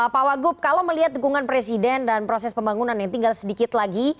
pak wagub kalau melihat dukungan presiden dan proses pembangunan yang tinggal sedikit lagi